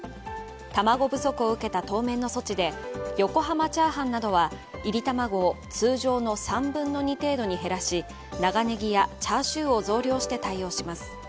卵不足を受けた当面の措置で横濱チャーハンなどはいり卵を通常の３分の２程度に減らし長ねぎやチャーシューを増量して対応します。